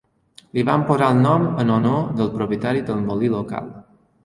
Li van posar el nom en honor del propietari del molí local.